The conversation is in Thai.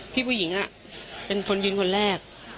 ผู้หญิงเป็นคนยิงคนแรก